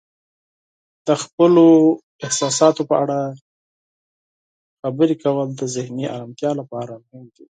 د خپلو احساساتو په اړه خبرې کول د ذهني آرامتیا لپاره مهم دی.